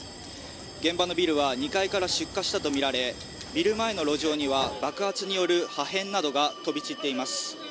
現場のビルは２階から出火したとみられビル前の路上には、爆発による破片などが飛び散っています。